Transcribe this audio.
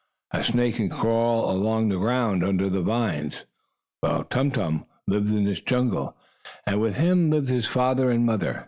A snake can crawl on the ground under the vines, you know. Well, Tum Tum lived in this jungle, and with him lived his father and mother.